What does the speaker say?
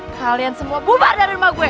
kalian semua bubar dari rumah gue